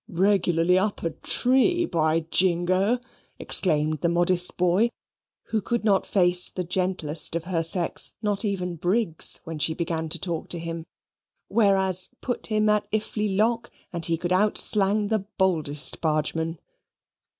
"Reglarly up a tree, by jingo!" exclaimed the modest boy, who could not face the gentlest of her sex not even Briggs when she began to talk to him; whereas, put him at Iffley Lock, and he could out slang the boldest bargeman.